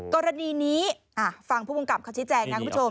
กรณีนี้ฟังผู้กำกับเขาชี้แจงนะคุณผู้ชม